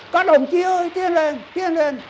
các đồng chí ơi tiến lên tiến lên